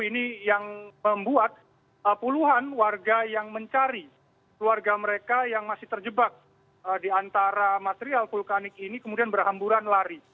ini yang membuat puluhan warga yang mencari keluarga mereka yang masih terjebak di antara material vulkanik ini kemudian berhamburan lari